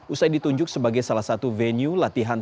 usai ditunjuk sebagai salah satu venue latihan